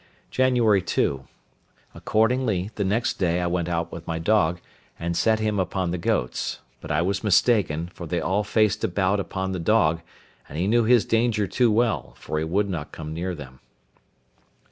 Jan. 2.—Accordingly, the next day I went out with my dog, and set him upon the goats, but I was mistaken, for they all faced about upon the dog, and he knew his danger too well, for he would not come near them.